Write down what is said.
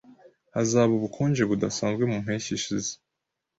Hazaba ubukonje budasanzwe mu mpeshyi ishize